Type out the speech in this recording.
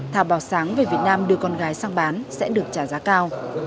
thảo báo sáng về việt nam đưa con gái sang bán sẽ được trả giá cao